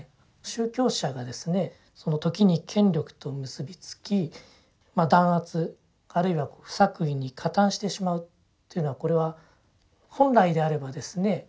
宗教者がですね時に権力と結び付き弾圧あるいは不作為に加担してしまうというのはこれは本来であればですね